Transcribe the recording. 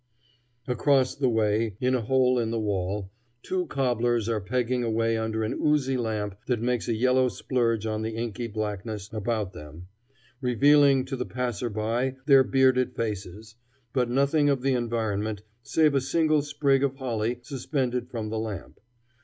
Across the way, in a hole in the wall, two cobblers are pegging away under an oozy lamp that makes a yellow splurge on the inky blackness about them, revealing to the passer by their bearded faces, but nothing of the environment save a single sprig of holly suspended from the lamp.